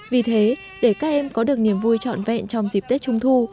vì thế để các em có được niềm vui trọn vẹn trong dịp tết trung thu